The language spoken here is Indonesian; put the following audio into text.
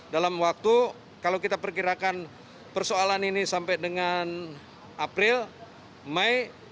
dalam waktu kalau kita perkirakan persoalan ini sampai dengan april mei